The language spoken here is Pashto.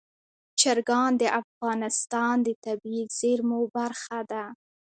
چرګان د افغانستان د طبیعي زیرمو برخه ده.